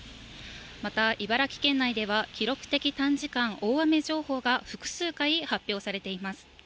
また、茨城県内では、記録的短時間大雨情報が複数回発表されています。